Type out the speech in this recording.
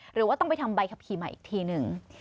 หรือว่าต้องไปทำใบขับขี่ใหม่อีกทีหนึ่ง